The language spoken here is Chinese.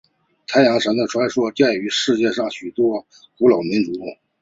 太阳神的传说见于世界上许多的古老民族。